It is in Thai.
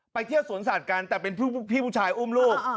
ไปเที่ยวสวนสัตว์กันแต่เป็นพี่ผู้ชายอุ้มลูก